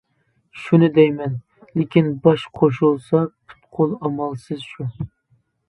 شۇنى دەيمەن. لېكىن باش قوشۇلسا پۇت-قول ئامالسىز شۇ.